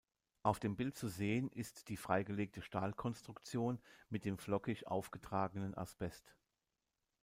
Auf dem Bild zu sehen ist die freigelegte Stahlkonstruktion mit dem flockig aufgetragenen Asbest.